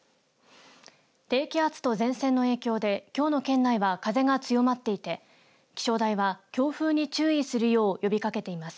低気圧と前線の影響できょうの県内は風が強まっていて気象台は強風に注意するよう呼びかけています。